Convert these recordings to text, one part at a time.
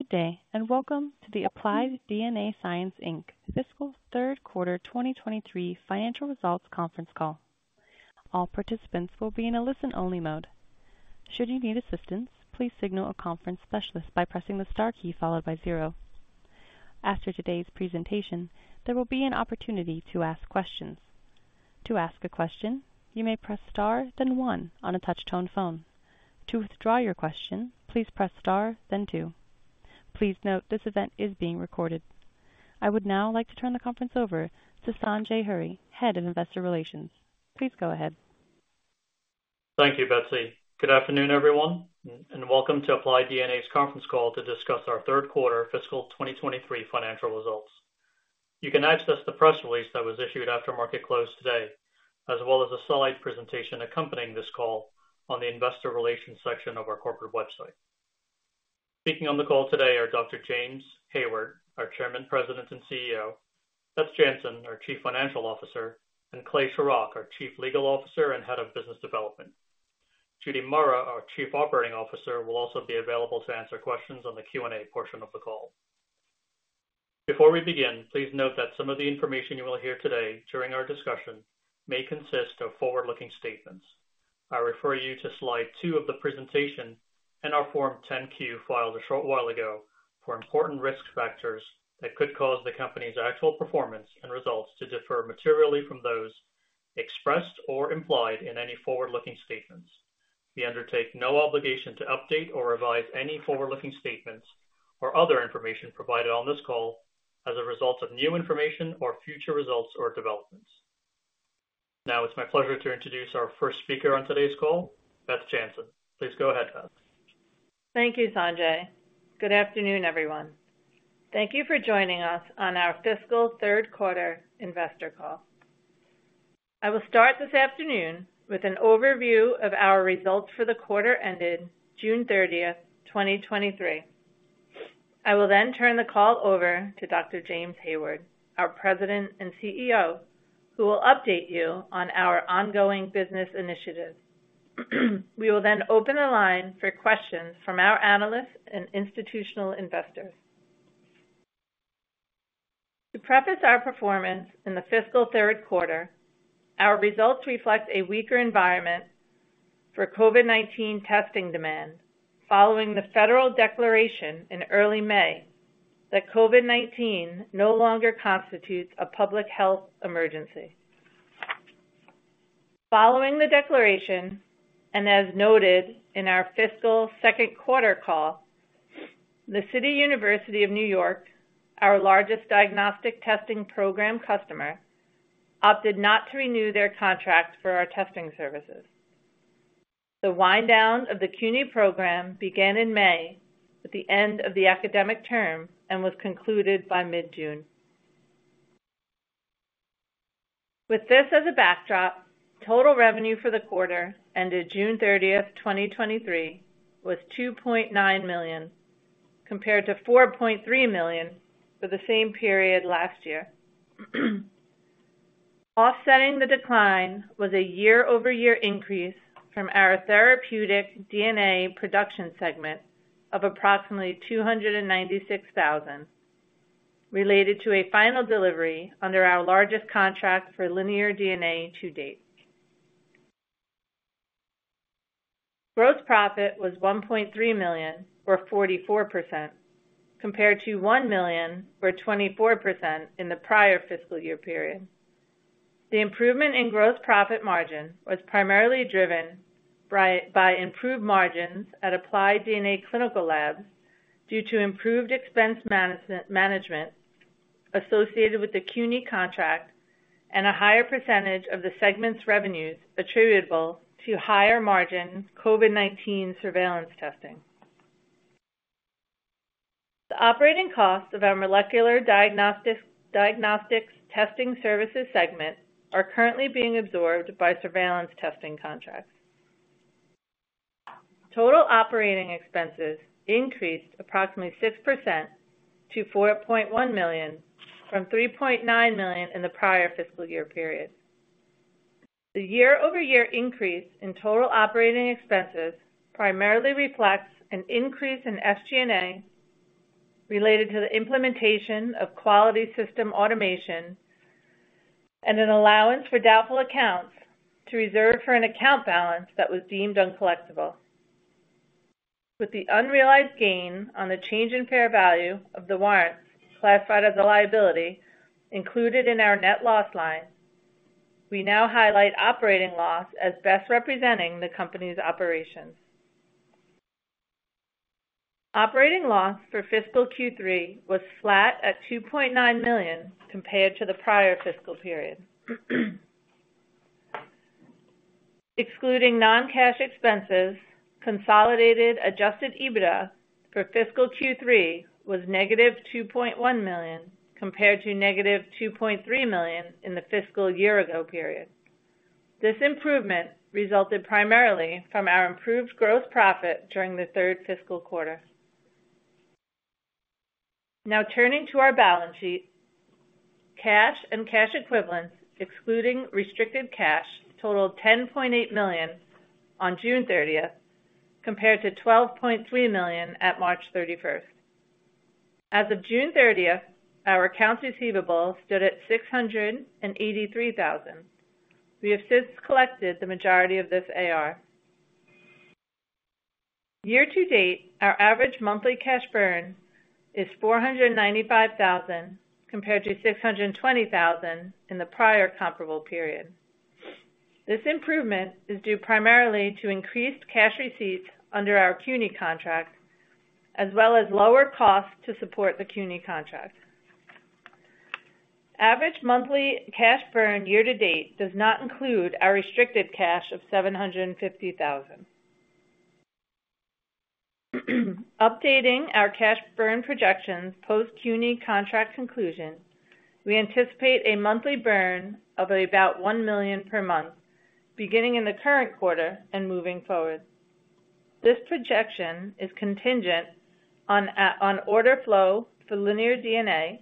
Good day, and welcome to the Applied DNA Sciences, Inc. fiscal 3rd quarter 2023 financial results conference call. All participants will be in a listen-only mode. Should you need assistance, please signal a conference specialist by pressing the star key followed by 0. After today's presentation, there will be an opportunity to ask questions. To ask a question, you may press Star, then 1 on a touch-tone phone. To withdraw your question, please press Star, then 2. Please note, this event is being recorded. I would now like to turn the conference over to Sanjay Hurry, Head of Investor Relations. Please go ahead. Thank you, Betsy. Good afternoon, everyone, and welcome to Applied DNA's conference call to discuss our third quarter FY 2023 financial results. You can access the press release that was issued after market close today, as well as the slide presentation accompanying this call on the Investor Relations section of our corporate website. Speaking on the call today are James A. Hayward, our Chairman, President, and CEO, Beth Jantzen, our Chief Financial Officer, and Clay Shorrock, our Chief Legal Officer and Head of Business Development. Judy Murrah, our Chief Operating Officer, will also be available to answer questions on the Q&A portion of the call. Before we begin, please note that some of the information you will hear today during our discussion may consist of forward-looking statements. I refer you to slide two of the presentation and our Form 10-Q, filed a short while ago, for important risk factors that could cause the company's actual performance and results to differ materially from those expressed or implied in any forward-looking statements. We undertake no obligation to update or revise any forward-looking statements or other information provided on this call as a result of new information or future results or developments. Now, it's my pleasure to introduce our first speaker on today's call, Beth Jantzen. Please go ahead, Beth. Thank you, Sanjay. Good afternoon, everyone. Thank you for joining us on our fiscal 3rd quarter investor call. I will start this afternoon with an overview of our results for the quarter ended June 30th, 2023. I will then turn the call over to James A. Hayward, our President and CEO, who will update you on our ongoing business initiatives. We will then open the line for questions from our analysts and institutional investors. To preface our performance in the fiscal 3rd quarter, our results reflect a weaker environment for COVID-19 testing demand, following the federal declaration in early May that COVID-19 no longer constitutes a public health emergency. Following the declaration, and as noted in our fiscal 2nd quarter call, The City University of New York, our largest diagnostic testing program customer, opted not to renew their contract for our testing services. The wind down of the CUNY program began in May, at the end of the academic term, and was concluded by mid-June. With this as a backdrop, total revenue for the quarter, ended June 30th, 2023, was $2.9 million, compared to $4.3 million for the same period last year. Offsetting the decline was a year-over-year increase from our therapeutic DNA production segment of approximately $296,000, related to a final delivery under our largest contract for linear DNA to date. Gross profit was $1.3 million, or 44%, compared to $1 million, or 24%, in the prior fiscal year period. The improvement in gross profit margin was primarily driven by improved margins at Applied DNA Clinical Labs due to improved expense management associated with the CUNY contract and a higher percentage of the segment's revenues attributable to higher margin COVID-19 surveillance testing. The operating costs of our molecular diagnostics testing services segment are currently being absorbed by surveillance testing contracts. Total operating expenses increased approximately 6% to $4.1 million from $3.9 million in the prior fiscal year period. The year-over-year increase in total operating expenses primarily reflects an increase in SG&A related to the implementation of quality system automation and an allowance for doubtful accounts to reserve for an account balance that was deemed uncollectible. With the unrealized gain on the change in fair value of the warrants classified as a liability included in our net loss line, we now highlight operating loss as best representing the company's operations. Operating loss for fiscal Q3 was flat at $2.9 million compared to the prior fiscal period. Excluding non-cash expenses, consolidated adjusted EBITDA for fiscal Q3 was -$2.1 million, compared to -$2.3 million in the fiscal year-ago period. This improvement resulted primarily from our improved gross profit during the third fiscal quarter. Turning to our balance sheet. Cash and cash equivalents, excluding restricted cash, totaled $10.8 million on June 30th, compared to $12.3 million at March 31st. As of June 30th, our accounts receivable stood at $683,000. We have since collected the majority of this AR. Year-to-date, our average monthly cash burn is $495,000, compared to $620,000 in the prior comparable period. This improvement is due primarily to increased cash receipts under our CUNY contract, as well as lower costs to support the CUNY contract. Average monthly cash burn year-to-date does not include our restricted cash of $750,000. Updating our cash burn projections post-CUNY contract conclusion, we anticipate a monthly burn of about $1 million per month, beginning in the current quarter and moving forward. This projection is contingent on order flow for linear DNA,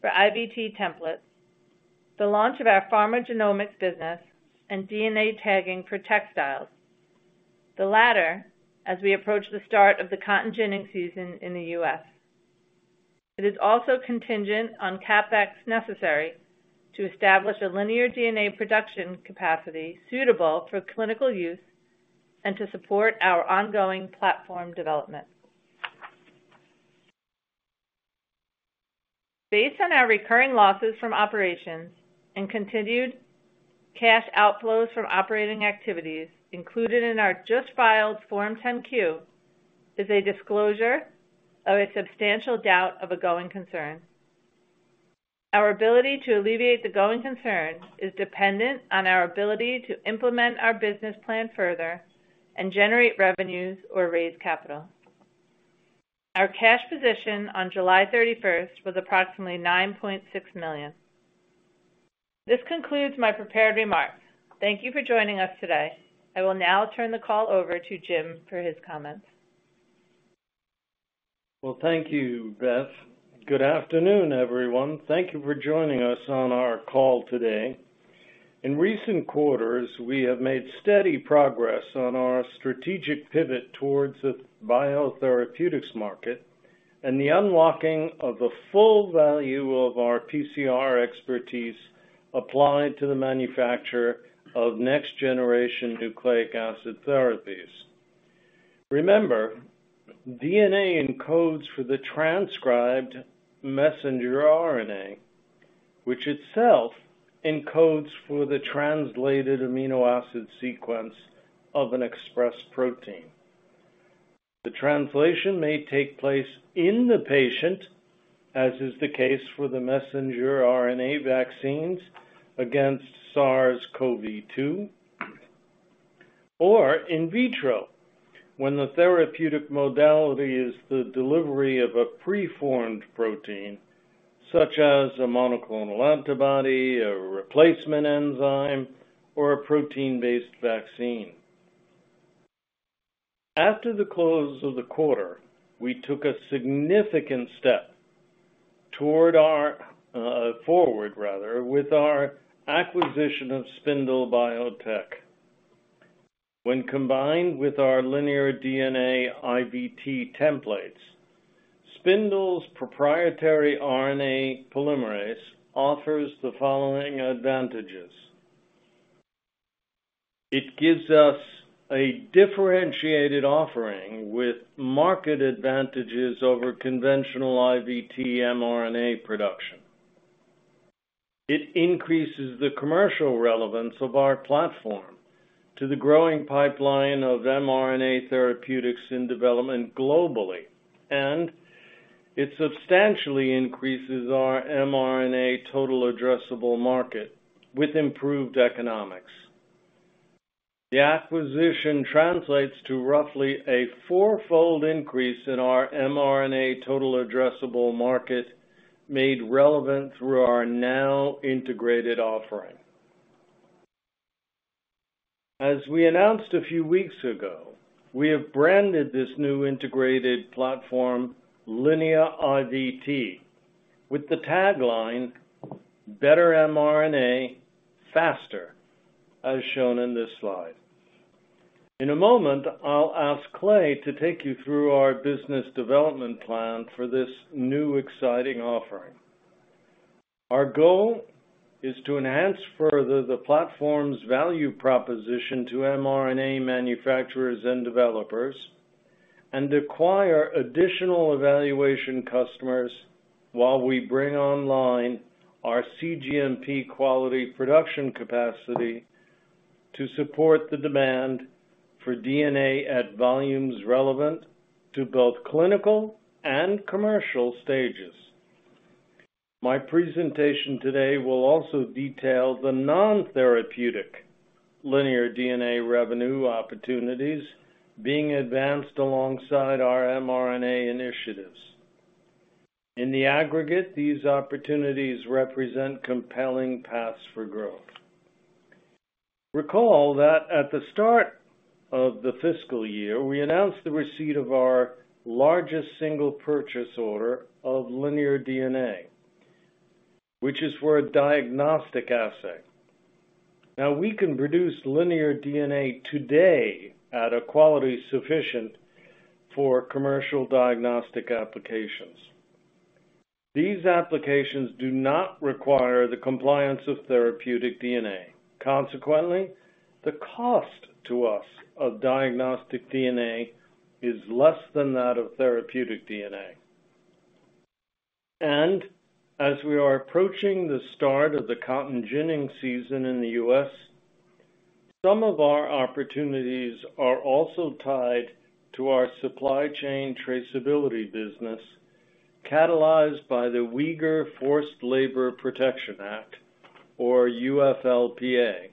for IVT templates, the launch of our Pharmacogenomics business, and DNA tagging for textiles. The latter, as we approach the start of the cotton ginning season in the U.S. It is also contingent on CapEx necessary to establish a linear DNA production capacity suitable for clinical use and to support our ongoing platform development. Based on our recurring losses from operations and continued cash outflows from operating activities, included in our just filed Form 10-Q, is a disclosure of a substantial doubt of a going concern. Our ability to alleviate the going concern is dependent on our ability to implement our business plan further and generate revenues or raise capital. Our cash position on July 31st, was approximately $9.6 million. This concludes my prepared remarks. Thank you for joining us today. I will now turn the call over to Jim for his comments. Well, thank you, Beth. Good afternoon, everyone. Thank you for joining us on our call today. In recent quarters, we have made steady progress on our strategic pivot towards the biotherapeutics market and the unlocking of the full value of our PCR expertise applied to the manufacture of next generation nucleic acid therapies. Remember, DNA encodes for the transcribed messenger RNA, which itself encodes for the translated amino acid sequence of an expressed protein. The translation may take place in the patient, as is the case for the messenger RNA vaccines against SARS-CoV-2, or in vitro, when the therapeutic modality is the delivery of a preformed protein, such as a monoclonal antibody, a replacement enzyme, or a protein-based vaccine. After the close of the quarter, we took a significant step toward our forward, rather, with our acquisition of Spindle Biotech. When combined with our linear DNA IVT templates, Spindle's proprietary RNA polymerase offers the following advantages: It gives us a differentiated offering with market advantages over conventional IVT mRNA production. It increases the commercial relevance of our platform to the growing pipeline of mRNA therapeutics in development globally, and it substantially increases our mRNA total addressable market with improved economics. The acquisition translates to roughly a four-fold increase in our mRNA total addressable market, made relevant through our now integrated offering. As we announced a few weeks ago, we have branded this new integrated platform Linea IVT, with the tagline, "Better mRNA, Faster," as shown in this slide. In a moment, I'll ask Clay to take you through our business development plan for this new exciting offering. Our goal is to enhance further the platform's value proposition to mRNA manufacturers and developers, and acquire additional evaluation customers while we bring online our cGMP quality production capacity to support the demand for DNA at volumes relevant to both clinical and commercial stages. My presentation today will also detail the non-therapeutic linear DNA revenue opportunities being advanced alongside our mRNA initiatives. In the aggregate, these opportunities represent compelling paths for growth. Recall that at the start of the fiscal year, we announced the receipt of our largest single purchase order of linear DNA, which is for a diagnostic assay. Now, we can produce linear DNA today at a quality sufficient for commercial diagnostic applications. These applications do not require the compliance of therapeutic DNA. Consequently, the cost to us of diagnostic DNA is less than that of therapeutic DNA. As we are approaching the start of the cotton ginning season in the U.S., some of our opportunities are also tied to our supply chain traceability business, catalyzed by the Uyghur Forced Labor Prevention Act, or UFLPA,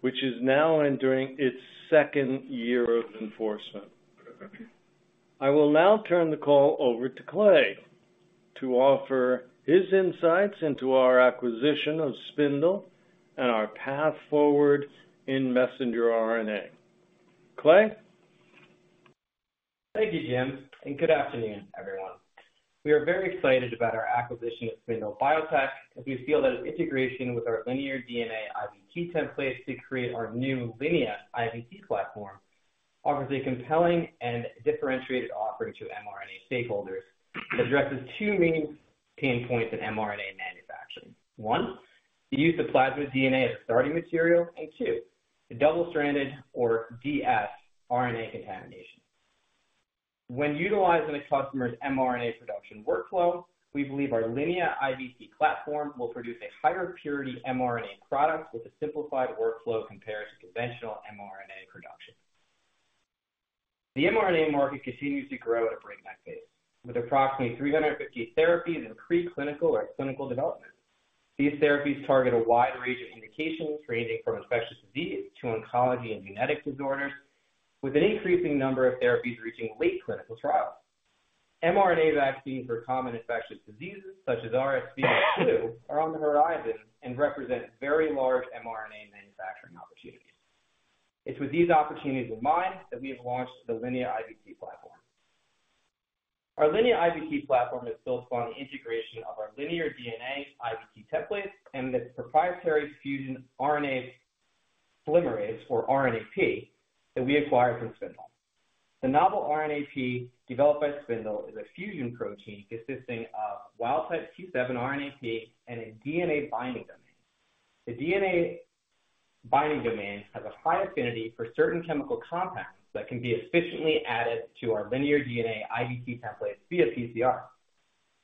which is now entering its second year of enforcement. I will now turn the call over to Clay to offer his insights into our acquisition of Spindle and our path forward in messenger RNA. Clay? Thank you, Jim, and good afternoon, everyone. We are very excited about our acquisition of Spindle Biotech, as we feel that its integration with our linear DNA IVT templates to create our new Linea IVT platform offers a compelling and differentiated offering to mRNA stakeholders. It addresses two main pain points in mRNA manufacturing. One, the use of plasma DNA as a starting material, and two, the double-stranded or dsRNA contamination. When utilized in a customer's mRNA production workflow, we believe our Linea IVT platform will produce a higher purity mRNA product with a simplified workflow compared to conventional mRNA production. The mRNA market continues to grow at a breakneck pace, with approximately 350 therapies in preclinical or clinical development. These therapies target a wide range of indications, ranging from infectious disease to oncology and genetic disorders, with an increasing number of therapies reaching late clinical trials. mRNA vaccines for common infectious diseases such as RSV and flu are on the horizon and represent very large mRNA manufacturing opportunities. It's with these opportunities in mind that we have launched the Linea IVT platform. Our Linea IVT platform is built on the integration of our linear DNA IVT templates and the proprietary fusion RNA polymerase, or RNAP, that we acquired from Spindle. The novel RNAP developed by Spindle is a fusion protein consisting of wild-type T7 RNAP and a DNA-binding domain. The DNA-binding domain has a high affinity for certain chemical compounds that can be efficiently added to our linear DNA IVT templates via PCR.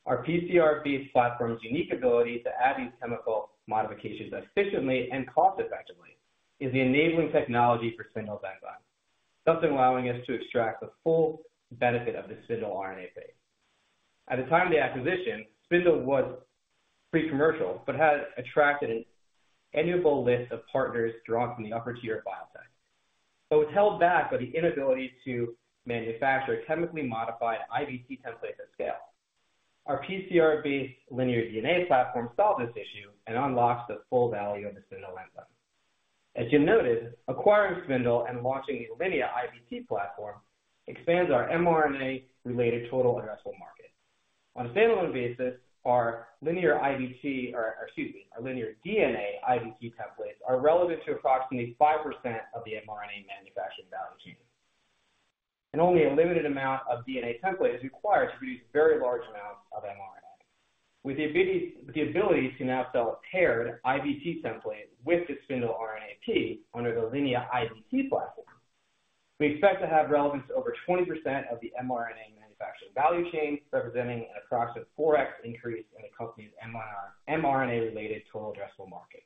Our PCR-based platform's unique ability to add these chemical modifications efficiently and cost effectively is the enabling technology for Spindle's enzyme, thus allowing us to extract the full benefit of the Spindle RNAP. At the time of the acquisition, Spindle was pre-commercial but had attracted an enviable list of partners drawn from the upper tier biotech. It was held back by the inability to manufacture chemically modified IVT templates at scale. Our PCR-based linear DNA platform solved this issue and unlocks the full value of the Spindle enzyme. As you noted, acquiring Spindle and launching the Linea IVT platform expands our mRNA-related total addressable market. On a stand-alone basis, our linear IVT, or, or excuse me, our linear DNA IVT templates are relevant to approximately 5% of the mRNA manufacturing value chain, and only a limited amount of DNA template is required to produce very large amounts of mRNA. With the ability, the ability to now sell a paired IVT template with the Spindle RNAP under the Linea IVT platform, we expect to have relevance to over 20% of the mRNA manufacturing value chain, representing an approximate 4x increase in the company's mRNA-related total addressable market.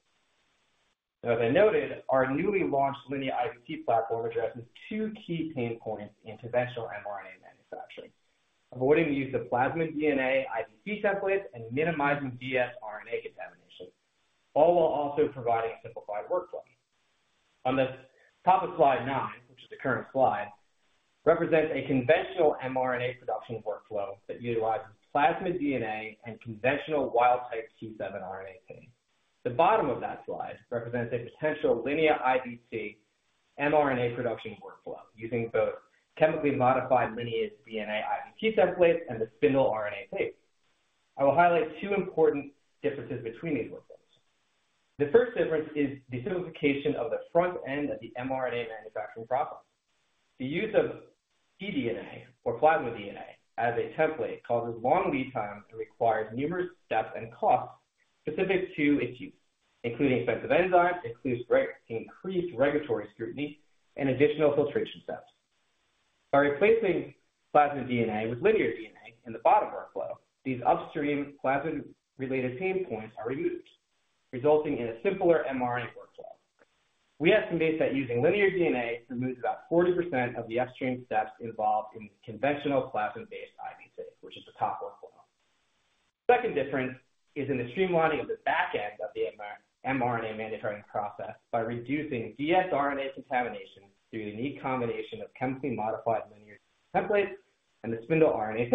As I noted, our newly launched Linea IVT platform addresses two key pain points in conventional mRNA manufacturing, avoiding the use of plasmid DNA IVT templates and minimizing dsRNA contamination, all while also providing a simplified workflow. On the top of slide nine, which is the current slide, represents a conventional mRNA production workflow that utilizes plasmid DNA and conventional wild-type T7 RNAP. The bottom of that slide represents a potential Linea IVT mRNA production workflow, using both chemically modified linear DNA IVT templates and the Spindle RNAP. I will highlight two important differences between these workflows. The first difference is the simplification of the front end of the mRNA manufacturing process. The use of pDNA, or plasmid DNA, as a template causes long lead times and requires numerous steps and costs specific to its use, including expensive enzymes, increased regulatory scrutiny, and additional filtration steps. By replacing plasmid DNA with linear DNA in the bottom workflow, these upstream plasmid-related pain points are removed, resulting in a simpler mRNA workflow. We estimate that using linear DNA removes about 40% of the upstream steps involved in conventional plasmid-based IVT, which is the top workflow. Second difference is in the streamlining of the back end of the mRNA manufacturing process by reducing dsRNA contamination through the unique combination of chemically modified linear templates and the Spindle RNAP.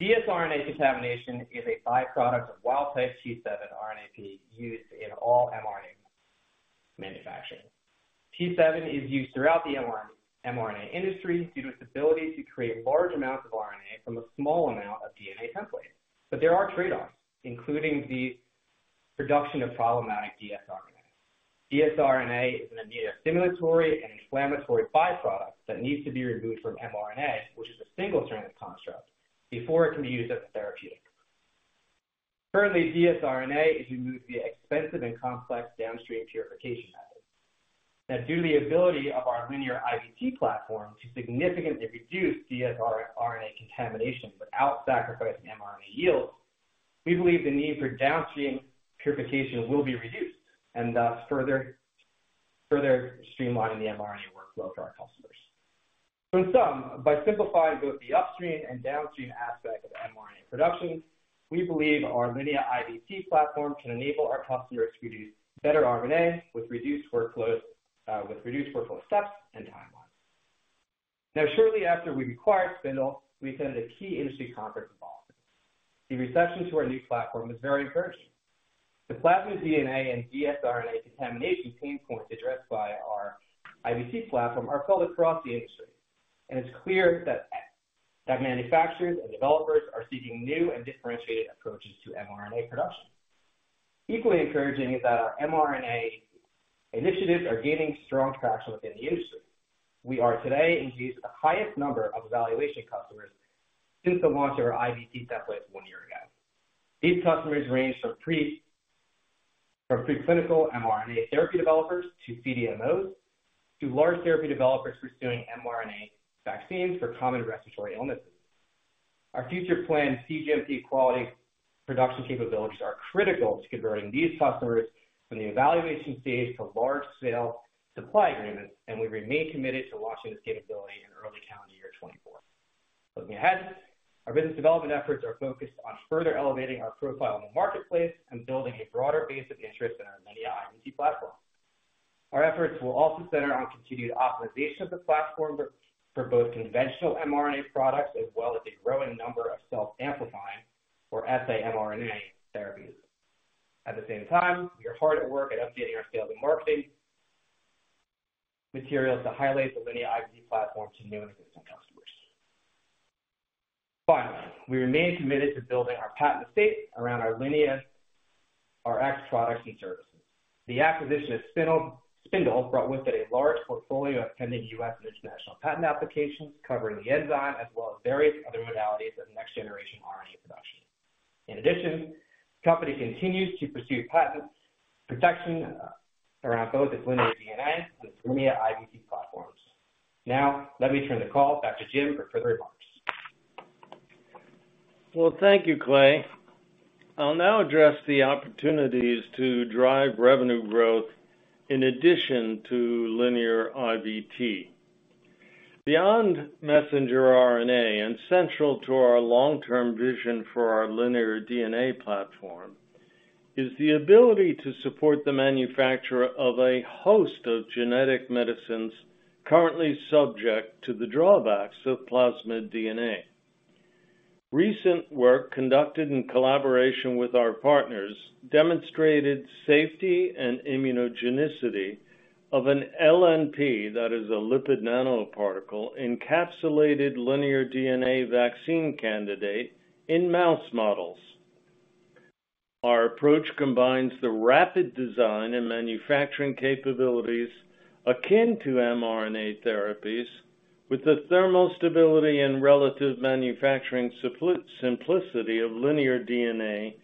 DsRNA contamination is a byproduct of wild-type T7 RNAP used in all mRNA manufacturing. T7 is used throughout the mRNA industry due to its ability to create large amounts of RNA from a small amount of DNA template. There are trade-offs, including the production of problematic dsRNA. DsRNA is an immunostimulatory and inflammatory byproduct that needs to be removed from mRNA, which is a single-strand construct, before it can be used as a therapeutic. Currently, dsRNA is removed via expensive and complex downstream purification methods. Due to the ability of our Linea IVT platform to significantly reduce dsRNA contamination without sacrificing mRNA yields, we believe the need for downstream purification will be reduced and, thus, further, further streamlining the mRNA workflow for our customers. In sum, by simplifying both the upstream and downstream aspects of mRNA production, we believe our Linea IVT platform can enable our customers to produce better RNA with reduced workloads, with reduced workload steps and timelines. Shortly after we acquired Spindle, we attended a key industry conference in Boston. The reception to our new platform was very encouraging. The plasma DNA and dsRNA contamination pain points addressed by our IVT platform are felt across the industry, and it's clear that manufacturers and developers are seeking new and differentiated approaches to mRNA production. Equally encouraging is that our mRNA initiatives are gaining strong traction within the industry. We are today engaged with the highest number of evaluation customers since the launch of our IVT templates one year ago. These customers range from preclinical mRNA therapy developers, to CDMOs, to large therapy developers pursuing mRNA vaccines for common respiratory illnesses. Our future planned cGMP quality production capabilities are critical to converting these customers from the evaluation stage to large-scale supply agreements. We remain committed to launching this capability in early calendar year 2024. Looking ahead, our business development efforts are focused on further elevating our profile in the marketplace and building a broader base of interest in our Linea IVT platform. Our efforts will also center on continued optimization of the platform for both conventional mRNA products, as well as a growing number of self-amplifying, or saRNA therapies. At the same time, we are hard at work at updating our sales and marketing materials to highlight the Linea IVT platform to new and existing customers. Finally, we remain committed to building our patent estate around our LineaRx products and services. The acquisition of Spindle brought with it a large portfolio of pending U.S. and international patent applications, covering the enzyme, as well as various other modalities of next-generation RNA production. In addition, the company continues to pursue patent protection around both its linear DNA and its linear IVT platforms. Now, let me turn the call back to Jim for further remarks. Well, thank you, Clay. I'll now address the opportunities to drive revenue growth in addition to Linea IVT. Beyond messenger RNA, and central to our long-term vision for our linear DNA platform, is the ability to support the manufacture of a host of genetic medicines currently subject to the drawbacks of plasmid DNA. Recent work conducted in collaboration with our partners demonstrated safety and immunogenicity of an LNP, that is a lipid nanoparticle, encapsulated linear DNA vaccine candidate in mouse models. Our approach combines the rapid design and manufacturing capabilities akin to mRNA therapies, with the thermal stability and relative manufacturing simplicity of linear DNA,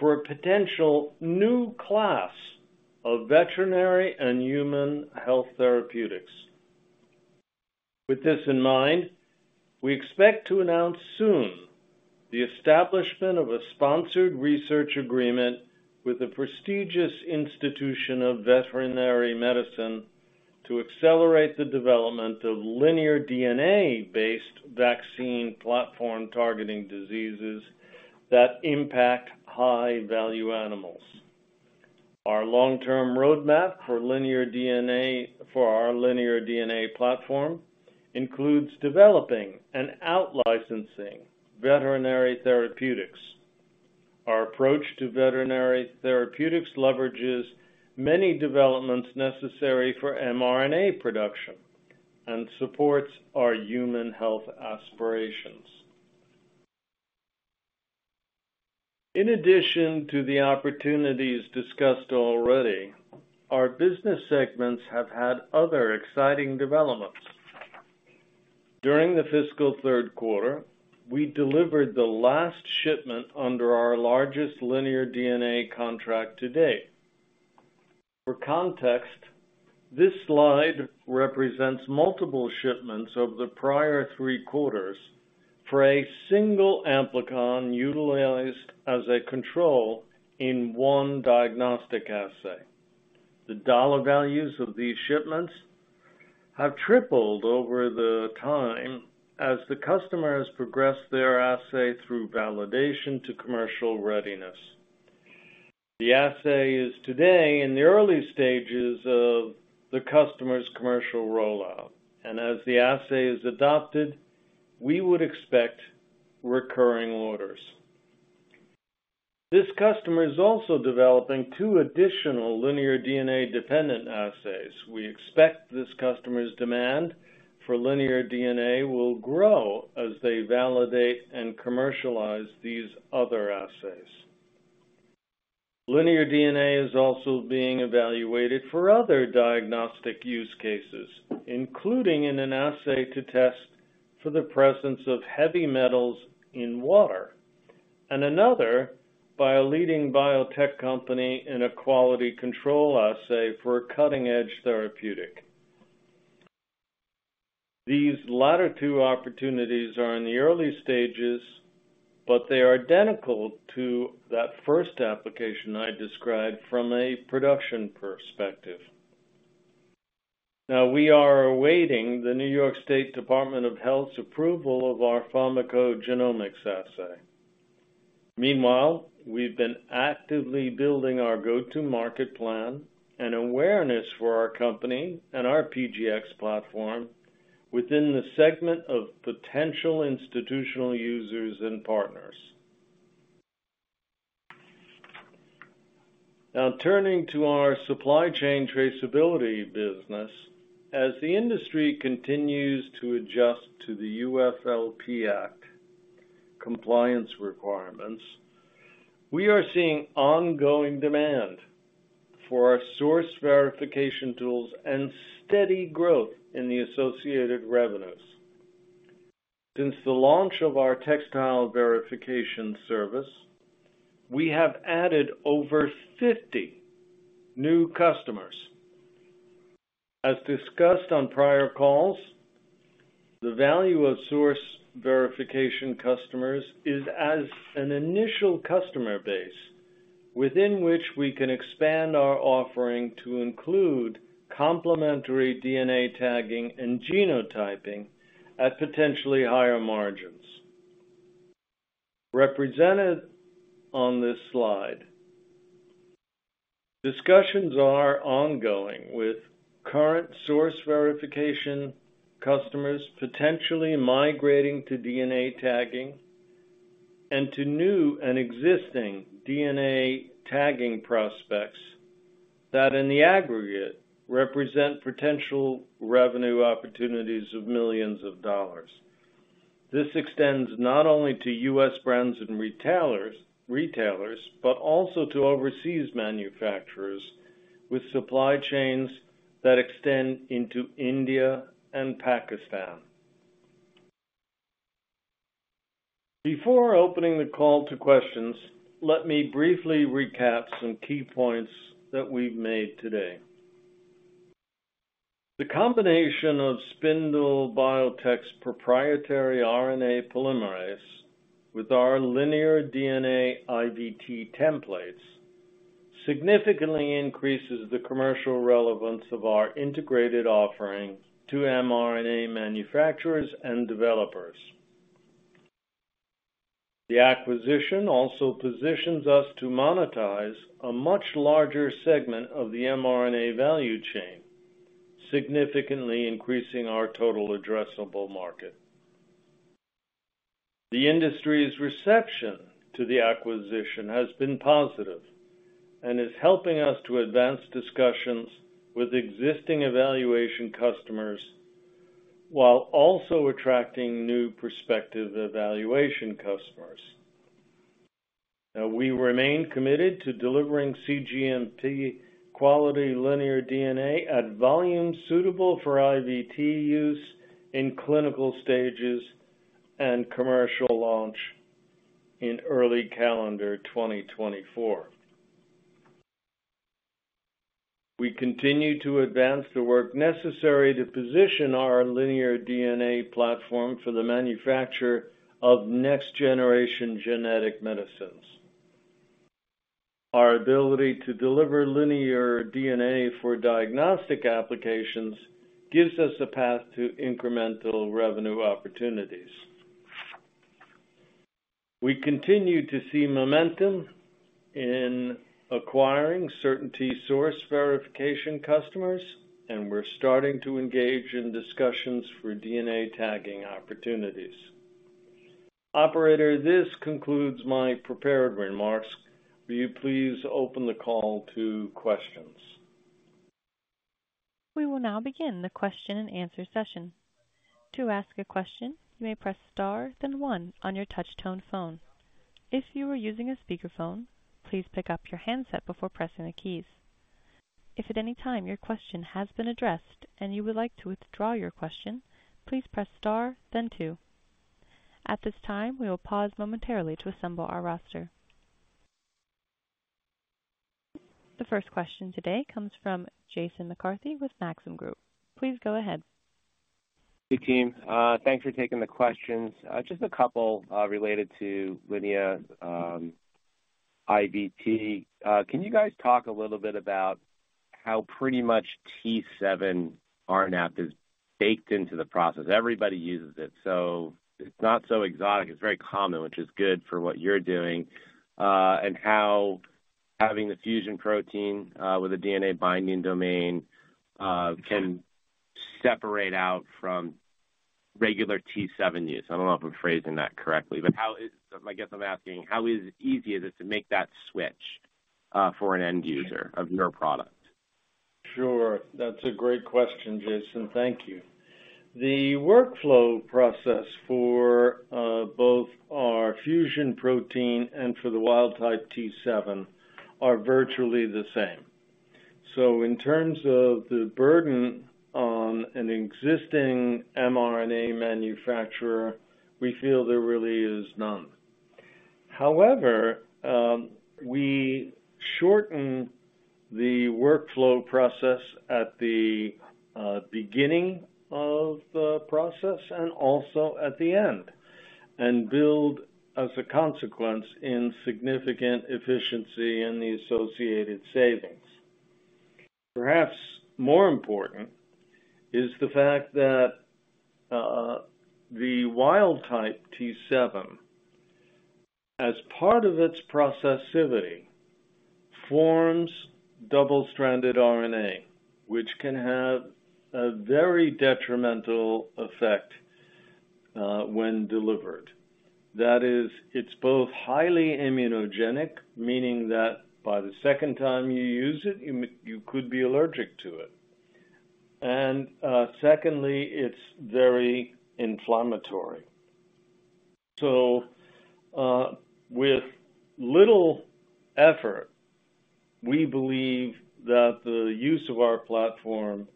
for a potential new class of veterinary and human health therapeutics. With this in mind, we expect to announce soon the establishment of a sponsored research agreement with a prestigious institution of veterinary medicine, to accelerate the development of linear DNA-based vaccine platform, targeting diseases that impact high-value animals. Our long-term roadmap for our linear DNA platform, includes developing and out-licensing veterinary therapeutics. Our approach to veterinary therapeutics leverages many developments necessary for mRNA production and supports our human health aspirations. In addition to the opportunities discussed already, our business segments have had other exciting developments. During the fiscal third quarter, we delivered the last shipment under our largest linear DNA contract to date. For context, this slide represents multiple shipments over the prior three quarters for a single amplicon utilized as a control in one diagnostic assay. The dollar values of these shipments have tripled over the time as the customer has progressed their assay through validation to commercial readiness. The assay is today in the early stages of the customer's commercial rollout, and as the assay is adopted, we would expect recurring orders. This customer is also developing two additional linear DNA-dependent assays. We expect this customer's demand for linear DNA will grow as they validate and commercialize these other assays. Linear DNA is also being evaluated for other diagnostic use cases, including in an assay to test for the presence of heavy metals in water, and another by a leading biotech company in a quality control assay for a cutting-edge therapeutic. These latter two opportunities are in the early stages, but they are identical to that first application I described from a production perspective. Now, we are awaiting the New York State Department of Health's approval of our pharmacogenomics assay. Meanwhile, we've been actively building our go-to-market plan and awareness for our company and our PGX platform within the segment of potential institutional users and partners. Now, turning to our supply chain traceability business. As the industry continues to adjust to the UFLPA compliance requirements, we are seeing ongoing demand for our source verification tools and steady growth in the associated revenues. Since the launch of our textile verification service, we have added over 50 new customers. As discussed on prior calls, the value of source verification customers is as an initial customer base, within which we can expand our offering to include complementary DNA tagging and genotyping at potentially higher margins. Represented on this slide, discussions are ongoing with current source verification customers, potentially migrating to DNA tagging and to new and existing DNA tagging prospects that, in the aggregate, represent potential revenue opportunities of millions of dollars. This extends not only to U.S. brands and retailers, retailers, but also to overseas manufacturers with supply chains that extend into India and Pakistan. Before opening the call to questions, let me briefly recap some key points that we've made today. The combination of Spindle Biotech's proprietary RNA polymerase with our linear DNA IVT templates significantly increases the commercial relevance of our integrated offering to mRNA manufacturers and developers. The acquisition also positions us to monetize a much larger segment of the mRNA value chain, significantly increasing our total addressable market. The industry's reception to the acquisition has been positive and is helping us to advance discussions with existing evaluation customers, while also attracting new prospective evaluation customers. Now, we remain committed to delivering cGMP quality linear DNA at volumes suitable for IVT use in clinical stages and commercial launch in early calendar 2024. We continue to advance the work necessary to position our linear DNA platform for the manufacture of next-generation genetic medicines. Our ability to deliver linear DNA for diagnostic applications gives us a path to incremental revenue opportunities. We continue to see momentum in acquiring CertainT source verification customers, and we're starting to engage in discussions for DNA tagging opportunities. Operator, this concludes my prepared remarks. Will you please open the call to questions? We will now begin the question-and-answer session. To ask a question, you may press star, then one on your touchtone phone. If you are using a speakerphone, please pick up your handset before pressing the keys. If at any time your question has been addressed and you would like to withdraw your question, please press star then two. At this time, we will pause momentarily to assemble our roster. The first question today comes from Jason McCarthy with Maxim Group. Please go ahead. Hey, team, thanks for taking the questions. Just a couple, related to Linea IVT. Can you guys talk a little bit about how pretty much T7 RNA is baked into the process. Everybody uses it, so it's not so exotic. It's very common, which is good for what you're doing, and how having the fusion protein, with a DNA-binding domain, can separate out from regular T7 use. I don't know if I'm phrasing that correctly, but how is I guess I'm asking, how easy is it to make that switch, for an end user of your product? Sure. That's a great question, Jason. Thank you. The workflow process for both our fusion protein and for the wild-type T7 are virtually the same. In terms of the burden on an existing mRNA manufacturer, we feel there really is none. However, we shorten the workflow process at the beginning of the process and also at the end, and build, as a consequence, in significant efficiency and the associated savings. Perhaps more important is the fact that the wild-type T7, as part of its processivity, forms double-stranded RNA, which can have a very detrimental effect when delivered. That is, it's both highly immunogenic, meaning that by the second time you use it, you could be allergic to it, and secondly, it's very inflammatory. With little effort, we believe that the use of our platform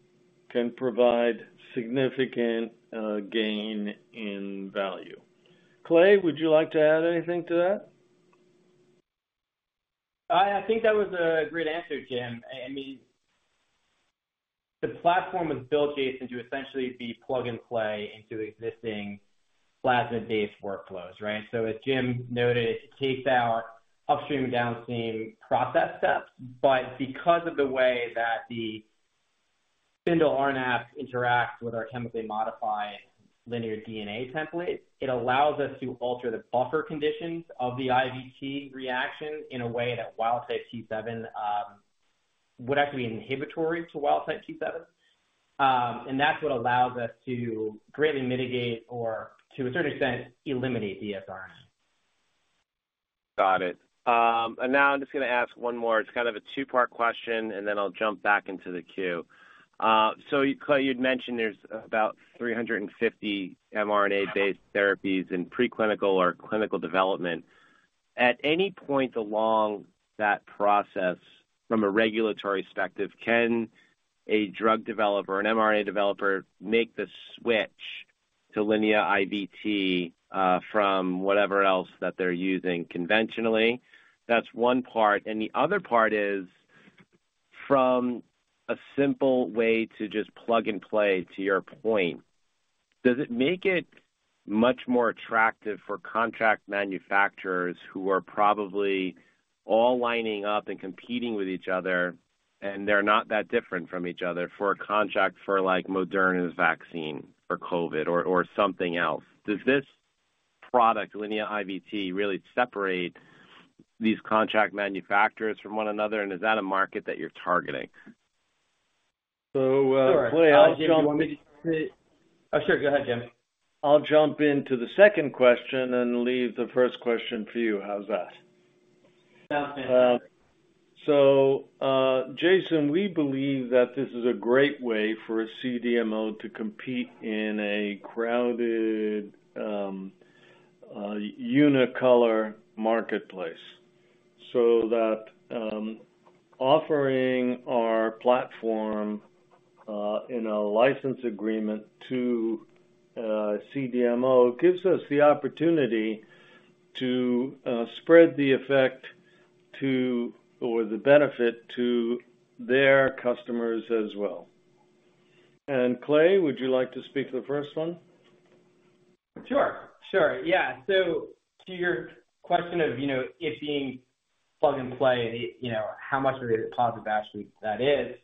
can provide significant gain in value. Clay, would you like to add anything to that? I, I think that was a great answer, Jim. I, I mean, the platform is built, Jason, to essentially be plug-and-play into existing plasma-based workflows, right? As Jim noted, it takes out upstream and downstream process steps, but because of the way that the spindle RNA interact with our chemically modified linear DNA template, it allows us to alter the buffer conditions of the IVT reaction in a way that wild-type T7 would actually be inhibitory to wild-type T7. That's what allows us to greatly mitigate or to a certain extent, eliminate the dsRNA. Got it. And now I'm just gonna ask one more. It's kind of a two-part question, and then I'll jump back into the queue. Clay, you'd mentioned there's about 350 mRNA-based therapies in preclinical or clinical development. At any point along that process, from a regulatory perspective, can a drug developer, an mRNA developer, make the switch to Linea IVT from whatever else that they're using conventionally? That's one part, and the other part is, from a simple way to just plug and play, to your point, does it make it much more attractive for contract manufacturers who are probably all lining up and competing with each other, and they're not that different from each other, for a contract for, like, Moderna's vaccine or COVID or, or something else? Does this product, Linea IVT, really separate these contract manufacturers from one another, and is that a market that you're targeting? Clay. Oh, sure. Go ahead, Jim. I'll jump into the second question and leave the first question for you. How's that? Sounds good. Jason, we believe that this is a great way for a CDMO to compete in a crowded unicolor marketplace. Offering our platform in a license agreement to CDMO gives us the opportunity to spread the effect to, or the benefit to their customers as well. Clay, would you like to speak to the first one? Sure. Sure. Yeah. To your question of, you know, it being plug-and-play and, you know, how much of a positive actually that is,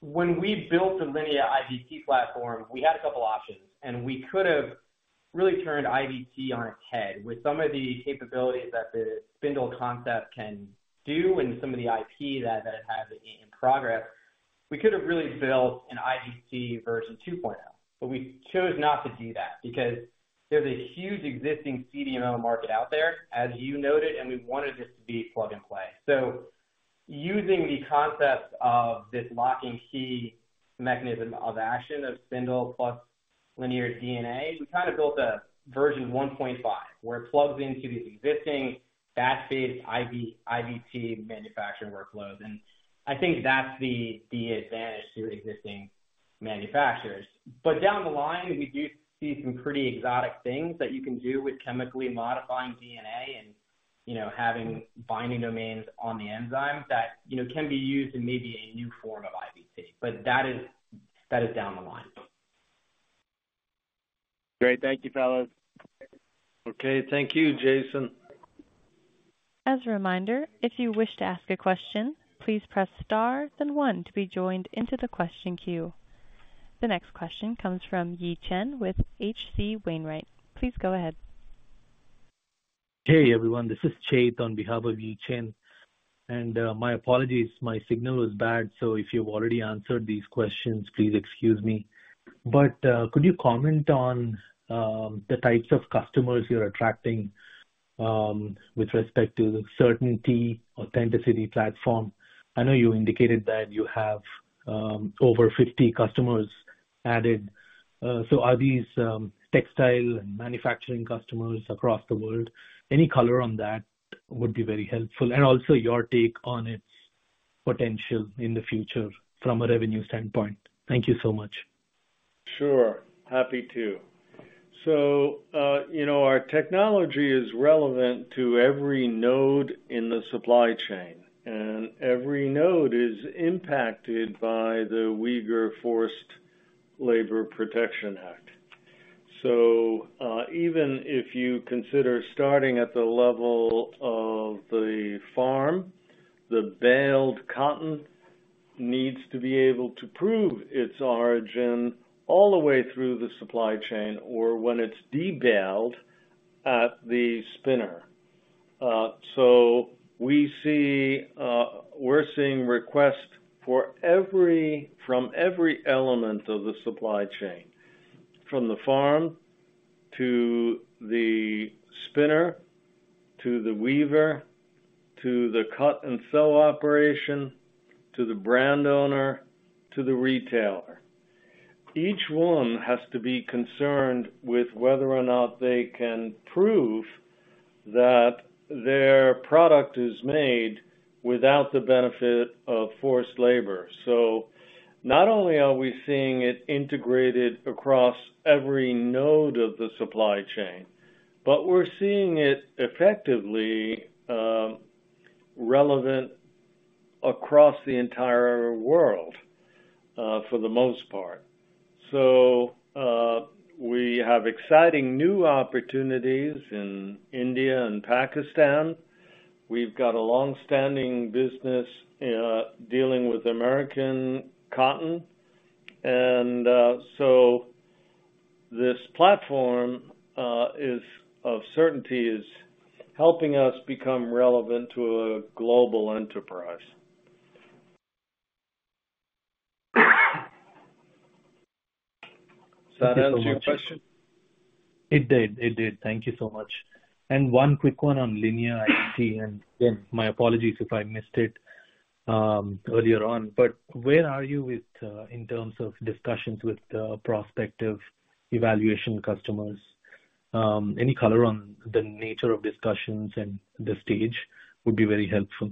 when we built the Linea IVT platform, we had a couple options, and we could have really turned IVT on its head. With some of the capabilities that the Spindle concept can do and some of the IP that, that it has in progress, we could have really built an IVT 2.0. We chose not to do that because there's a huge existing CDMO market out there, as you noted, and we wanted this to be plug-and-play. Using the concept of this lock and key mechanism of action, of Spindle plus linear DNA, we kind of built a version 1.5, where it plugs into the existing batch-based IVT manufacturing workflows, and I think that's the, the advantage to existing manufacturers. Down the line, we do see some pretty exotic things that you can do with chemically modifying DNA and, you know, having binding domains on the enzyme that, you know, can be used in maybe a new form of IVT, but that is, that is down the line. Great. Thank you, fellas. Okay, thank you, Jason. As a reminder, if you wish to ask a question, please press star, then one to be joined into the question queue. The next question comes from Yi Chen with H.C. Wainwright. Please go ahead. Hey, everyone. This is Chet on behalf of Yi Chen. My apologies, my signal was bad, so if you've already answered these questions, please excuse me. Could you comment on the types of customers you're attracting with respect to the CertainT authenticity platform? I know you indicated that you have over 50 customers added. Are these textile and manufacturing customers across the world? Any color on that would be very helpful, and also your take on its potential in the future from a revenue standpoint. Thank you so much. Sure. Happy to. You know, our technology is relevant to every node in the supply chain, and every node is impacted by the Uyghur Forced Labor Prevention Act. Even if you consider starting at the level of the farm, the baled cotton needs to be able to prove its origin all the way through the supply chain, or when it's de-baled at the spinner. We see, we're seeing requests from every element of the supply chain, from the farm, to the spinner, to the weaver, to the cut and sew operation, to the brand owner, to the retailer. Each one has to be concerned with whether or not they can prove that their product is made without the benefit of forced labor. Not only are we seeing it integrated across every node of the supply chain, but we're seeing it effectively relevant across the entire world for the most part. We have exciting new opportunities in India and Pakistan. We've got a long-standing business dealing with American cotton. This platform, of CertainT, is helping us become relevant to a global enterprise. Does that answer your question? It did. It did. Thank you so much. One quick one on Linea IVT, and again, my apologies if I missed it, earlier on, but where are you with, in terms of discussions with, prospective evaluation customers? Any color on the nature of discussions and the stage would be very helpful.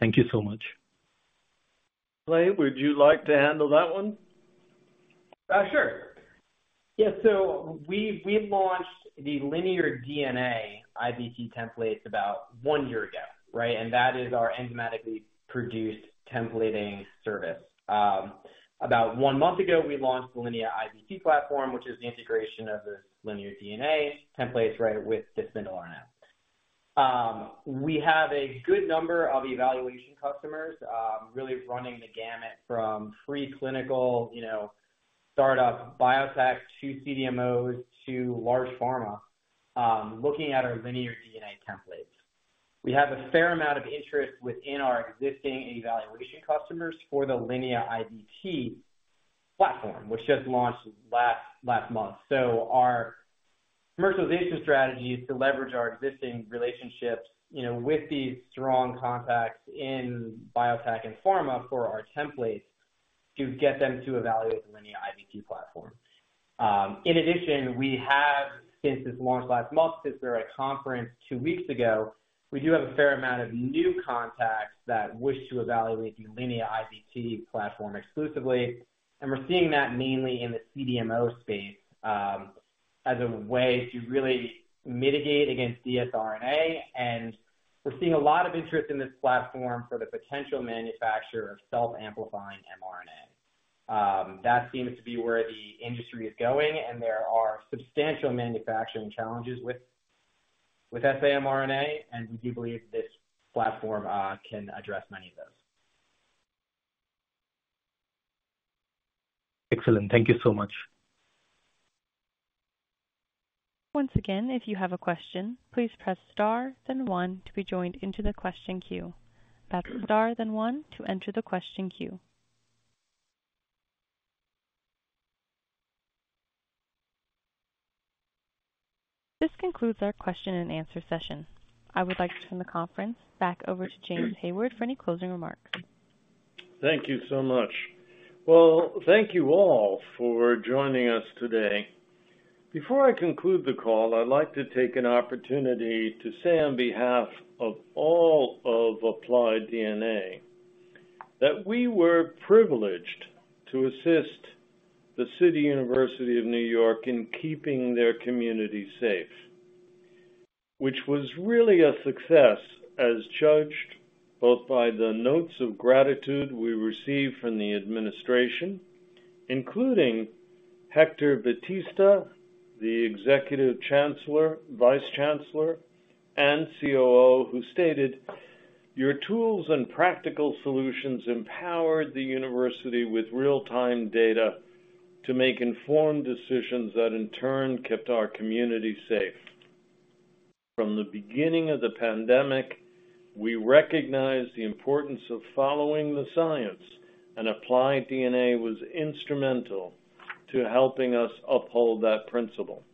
Thank you so much. Clay, would you like to handle that one? Sure. Yeah, we, we launched the linear DNA IVT templates about one year ago, right? That is our enzymatically produced templating service. About one month ago, we launched the Linea IVT platform, which is the integration of the linear DNA templates, right, with synthetic RNA. We have a good number of evaluation customers, really running the gamut from preclinical, you know, startup biotech to CDMOs to large pharma, looking at our linear DNA templates. We have a fair amount of interest within our existing evaluation customers for the Linea IVT platform, which just launched last month. Our commercialization strategy is to leverage our existing relationships, you know, with these strong contacts in biotech and pharma for our templates to get them to evaluate the Linea IVT platform. In addition, we have, since this launched last month, since we were at conference two weeks ago, we do have a fair amount of new contacts that wish to evaluate the Linea IVT platform exclusively, and we're seeing that mainly in the CDMO space, as a way to really mitigate against dsRNA. We're seeing a lot of interest in this platform for the potential manufacture of self-amplifying mRNA. That seems to be where the industry is going, and there are substantial manufacturing challenges with, with saRNA, and we do believe this platform can address many of those. Excellent. Thank you so much. Once again, if you have a question, please press star, then one to be joined into the question queue. That's star, then one to enter the question queue. This concludes our question and answer session. I would like to turn the conference back over to James Hayward for any closing remarks. Thank you so much. Well, thank you all for joining us today. Before I conclude the call, I'd like to take an opportunity to say, on behalf of all of Applied DNA, that we were privileged to assist The City University of New York in keeping their community safe, which was really a success, as judged both by the notes of gratitude we received from the administration, including Hector Batista, the Executive Chancellor, Vice Chancellor, and COO, who stated, "Your tools and practical solutions empowered the university with real-time data to make informed decisions that, in turn, kept our community safe. From the beginning of the pandemic, we recognized the importance of following the science, and Applied DNA was instrumental to helping us uphold that principle."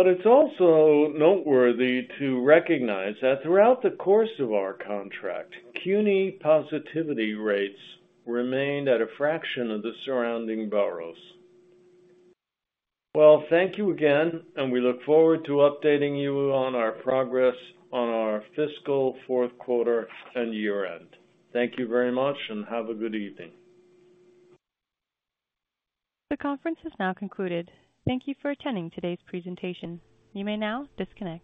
It's also noteworthy to recognize that throughout the course of our contract, CUNY positivity rates remained at a fraction of the surrounding boroughs. Well, thank you again, and we look forward to updating you on our progress on our fiscal fourth quarter and year-end. Thank you very much, and have a good evening. The conference has now concluded. Thank you for attending today's presentation. You may now disconnect.